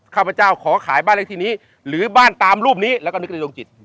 ข้าพเจ้าขอขายบ้านเลขที่นี้หรือบ้านตามรูปนี้แล้วก็นึกในดวงจิต